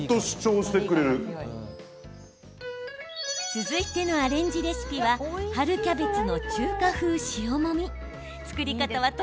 続いてのアレンジレシピは春キャベツの中華風